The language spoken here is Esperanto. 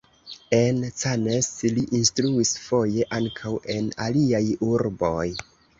En Cannes li instruis, foje ankaŭ en aliaj urboj.